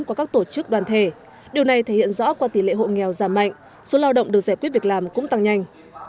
của các tổ chức đoàn thể điều này thể hiện rõ qua tỷ lệ hộ nghèo giảm mạnh số lao động được giải quyết việc làm cũng tăng nhanh